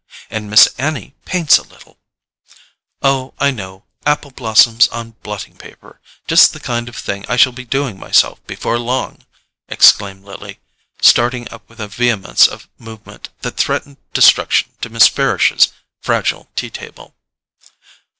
And Miss Annie paints a little——" "Oh, I know—apple blossoms on blotting paper; just the kind of thing I shall be doing myself before long!" exclaimed Lily, starting up with a vehemence of movement that threatened destruction to Miss Farish's fragile tea table.